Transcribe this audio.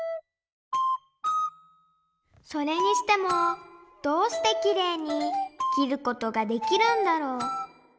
それにしてもどうしてきれいに切ることができるんだろう？